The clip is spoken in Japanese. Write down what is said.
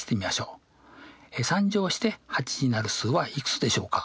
３乗して８になる数はいくつでしょうか？